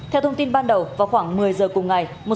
theo thông tin ban đầu vào khoảng một mươi giờ cùng ngày